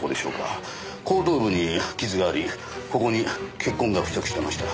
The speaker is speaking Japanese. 後頭部に傷がありここに血痕が付着してました。